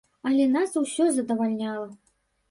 Але нас усё задавальняла.